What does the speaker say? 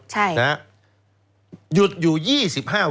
ใช่นะฮะหยุดอยู่๒๕วัน